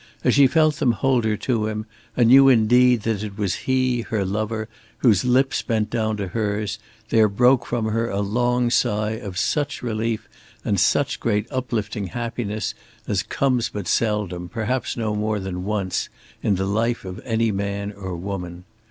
As she felt them hold her to him, and knew indeed that it was he, her lover, whose lips bent down to hers, there broke from her a long sigh of such relief and such great uplifting happiness as comes but seldom, perhaps no more than once, in the life of any man or woman.